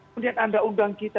kemudian anda undang kita